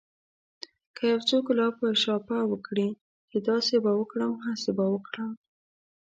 که يو څوک لاپه شاپه وکړي چې داسې به وکړم هسې به وکړم.